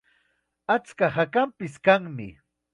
Achka hakanpis kanmi.